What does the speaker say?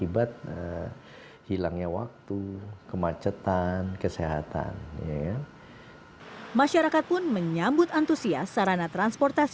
berikut laporannya untuk anda